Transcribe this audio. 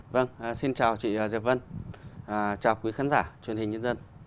vâng xin chào chị diệp vân chào quý khán giả truyền hình nhân dân